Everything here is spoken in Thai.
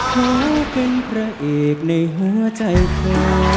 เขาเป็นพระเอกในหัวใจเธอ